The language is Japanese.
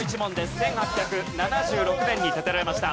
１８７６年に建てられました。